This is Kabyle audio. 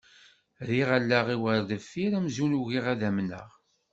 Rriɣ allaɣ-iw ɣer deffir amzun ugiɣ ad amneɣ.